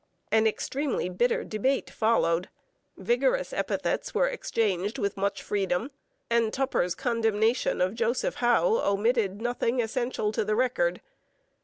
An extremely bitter debate followed; vigorous epithets were exchanged with much freedom, and Tupper's condemnation of Joseph Howe omitted nothing essential to the record.